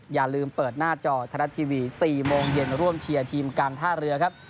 อย่าลืมเปิดหน้าจอไทยรัฐทีวี๔โมงเย็นร่วมเชียร์ทีมการท่าเรือครับ